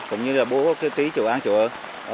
cũng như bố trí chủ an chủ ở